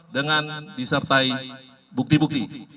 dengan disertai bukti bukti